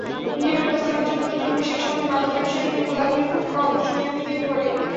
রিওর বস্তি অঞ্চলগুলোতে পুলিশের সঙ্গে মাদক ব্যবসায়ীদের গোলাগুলির ঘটনা অবশ্য নিয়মিতই ঘটে।